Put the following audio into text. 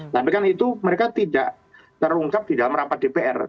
tapi kan itu mereka tidak terungkap di dalam rapat dpr